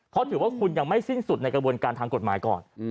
เพราะถือว่าคุณยังไม่สิ้นสุดในกระบวนการทางกฎหมายก่อน